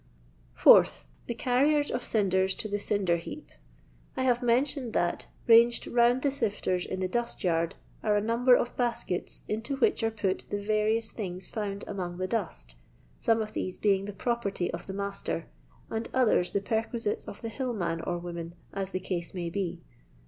4th. The carriers of cinders to the cinder heap. I have mentioned that, ranged round the sifters in the dust yard, are a number of baskets, into which are put the various things found among the dust, some of thaae being the property of the master, and others die perquisites of the hill man or woman, as the case may be.